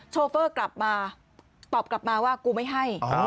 โชเฟอร์กลับมาตอบกลับมาว่ากูไม่ให้